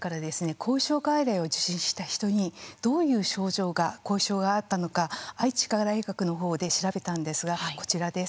後遺症外来を受診した人にどういう症状が後遺症があったのか愛知医科大学の方で調べたんですがこちらです。